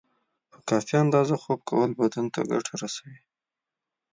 په کافی اندازه خوب کول بدن ته ګټه رسوی